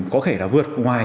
có thể là vượt ngoài